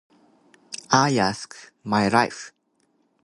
I ask my [unclear|rife, but clip author tried to say wife?]